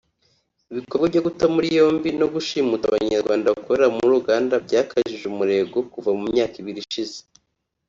Ibikorwa byo guta muri yombi no gushimuta Abanyarwanda bakorera muri Uganda byakajije umurego kuva mu myaka ibiri ishize